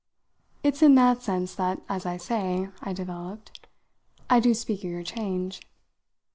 It's in that sense that, as I say," I developed, "I do speak of your change.